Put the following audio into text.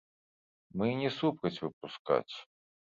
Мы не супраць выпускаць.